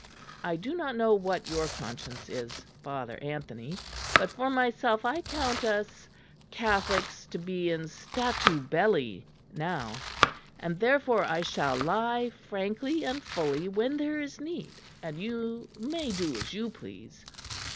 I do not know what your conscience is, Father Anthony; but, for myself, I count us Catholics to be in statu belli now; and therefore I shall lie frankly and fully when there is need; and you may do as you please.